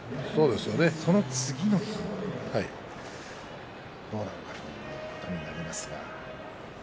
その次の日、どうなのかということになりますが。